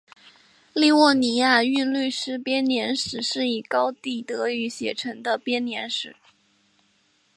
利沃尼亚韵律诗编年史是以高地德语写成的编年史。